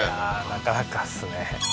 なかなかですね